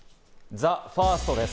ＴＨＥＦＩＲＳＴです。